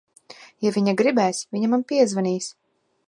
Ja viņa gribēs, viņa man piezvanīs.